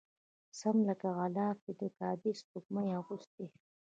سم لکه غلاف وي د کعبې سپوږمۍ اغوستی